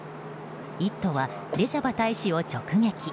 「イット！」はレジャバ大使を直撃。